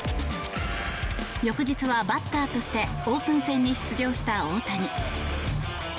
翌日はバッターとしてオープン戦に出場した大谷。